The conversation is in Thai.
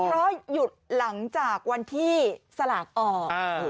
เพราะหยุดหลังจากวันที่สลากออก